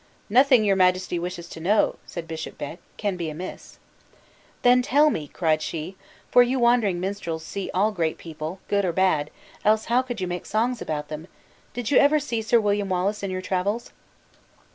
"Nothing your majesty wishes to know," said Bishop Beck, "can be amiss." "Then tell me," cried she "for you wandering minstrels see all great people, good or bad, else how could you make songs about them! did you ever see Sir William Wallace in your travels?"